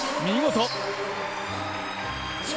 見事！